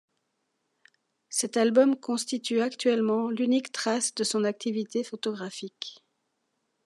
Cet album constitue actuellement l'unique trace de son activité photographique.